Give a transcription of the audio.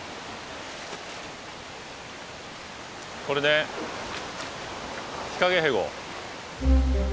これねヒカゲヘゴ。